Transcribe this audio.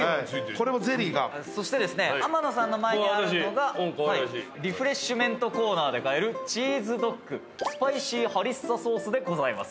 そしてですね天野さんの前にあるのがリフレッシュメントコーナーで買えるチーズドックスパイシーハリッサソースでございます。